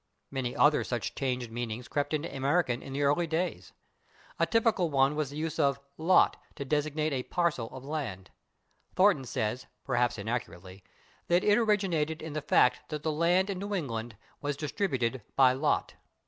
Many other such changed meanings crept into American in the early days. A typical one was the use of /lot/ to designate a /parcel/ of land. Thornton says, perhaps inaccurately, that it originated in the fact that the land in New England was distributed by lot.